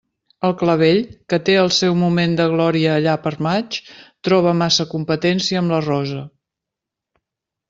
El clavell, que té el seu moment de glòria allà per maig, troba massa competència amb la rosa.